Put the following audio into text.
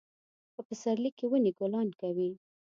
په پسرلي کې ونې ګلان کوي